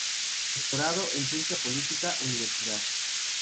Doctorado en Ciencia Política, Univ.